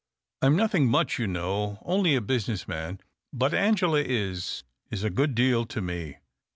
I'm nothing much, you know, only a business man. But Angela is — is a good deal to me.